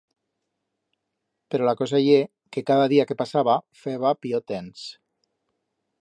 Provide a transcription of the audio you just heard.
Pero la cosa ye que cada día que pasaba feba pior temps.